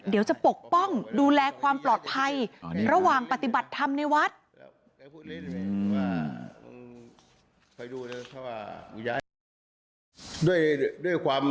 จะปกป้องดูแลความปลอดภัยระหว่างปฏิบัติธรรมในวัด